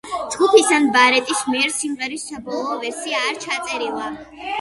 ჯგუფის ან ბარეტის მიერ სიმღერის საბოლოო ვერსია არ ჩაწერილა.